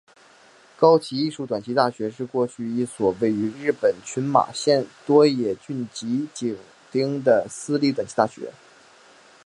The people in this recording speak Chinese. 高崎艺术短期大学是过去一所位于日本群马县多野郡吉井町的私立短期大学。